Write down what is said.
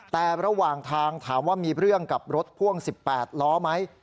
แต่ระหว่างทางถามว่ามีเรื่องกับรถพ่วง๑๘ล้อไหม